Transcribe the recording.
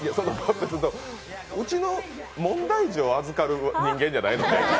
うちは問題児を預かる人間ではないので。